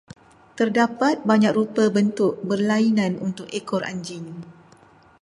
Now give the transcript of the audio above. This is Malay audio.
Terdapat banyak rupa bentuk berlainan untuk ekor anjing.